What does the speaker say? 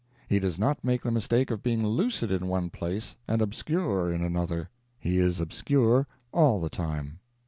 He does not make the mistake of being lucid in one place and obscure in another; he is obscure all the time.